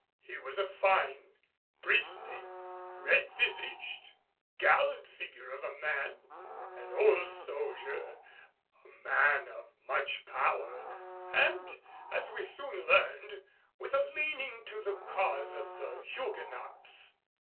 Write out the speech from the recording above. He was a fine, bristly, red visaged, gallant figure of a man; an old soldier, a man of much power and, as we soon learned, with a leaning to the cause of the Huguenots.